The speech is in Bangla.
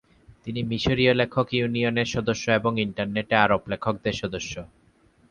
তিনি মিশরীয় লেখক ইউনিয়নের সদস্য এবং ইন্টারনেটে আরব লেখকদের সদস্য।